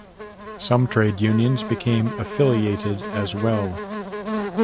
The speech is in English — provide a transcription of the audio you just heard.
Some trade unions became affiliated as well.